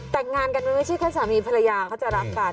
แต่งงานกันมันไม่ใช่แค่สามีภรรยาเขาจะรักกัน